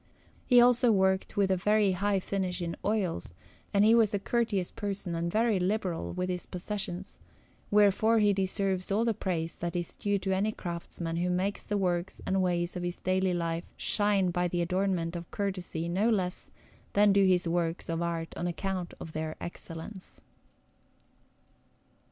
He also worked with a very high finish in oils, and he was a courteous person, and very liberal with his possessions; wherefore he deserves all the praise that is due to any craftsman who makes the works and ways of his daily life shine by the adornment of courtesy no less than do his works of art on account of their excellence.